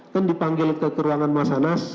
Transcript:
kan dipanggil ke ruangan mas anas